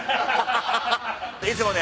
いつもね